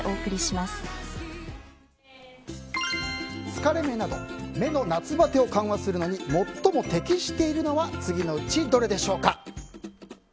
疲れ目など目の夏バテを緩和するのに最も適しているのは次のうちどれでしょうか。